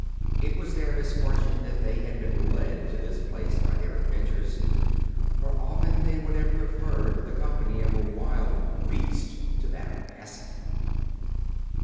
It was their misfortune that they had been led to this place by their adventures, for often they would have preferred the company of a wild beast to that of Pessim.